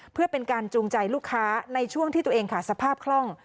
เพื่อเป็นการจูงใจลูกค้าในช่วงที่ตัวเองขาดสภาพคล่อง